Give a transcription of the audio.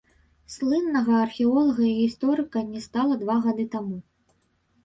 Слыннага археолага і гісторыка не стала два гады таму.